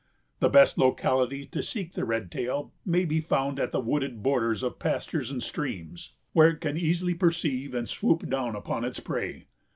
The best locality to seek the Red tail may be found at the wooded borders of pastures and streams, where it can easily perceive and swoop down upon its prey.